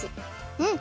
うん！